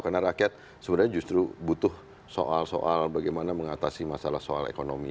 karena rakyat sebenarnya justru butuh soal soal bagaimana mengatasi masalah soal ekonomi